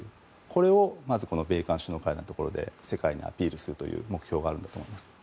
これをまず米韓首脳会談で世界にアピールする目標があるんだと思います。